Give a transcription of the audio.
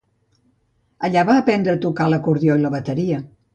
Allà va aprendre a tocar l'acordió i la bateria.